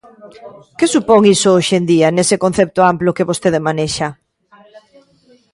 ¿Que supón iso hoxe en día, nese concepto amplo que vostede manexa?